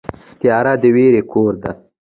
تیاره د وېرې کور دی.